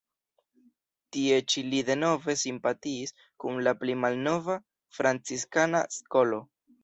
Tie ĉi li denove simpatiis kun la pli malnova, franciskana skolo.